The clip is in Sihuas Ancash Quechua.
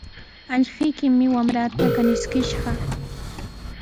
Allquykimi wamraata kaniskishqa.